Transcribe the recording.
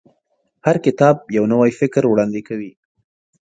هر کتاب یو نوی فکر وړاندې کوي.